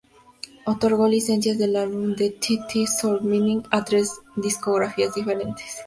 Otorgó licencias del álbum de The The, "Soul Mining" a tres discográficas diferentes.